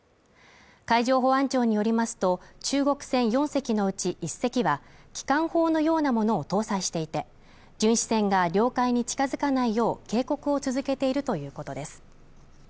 海上保安庁によりますと中国船４隻のうち１隻は機関砲のようなものを搭載していて、巡視船が領海に近づかないよう警告を続けているということです。